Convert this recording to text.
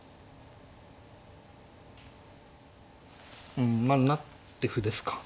うん成って歩ですか。